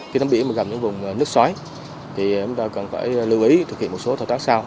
khi tắm biển mà những vùng nước xoáy thì chúng ta cần phải lưu ý thực hiện một số thao tác sau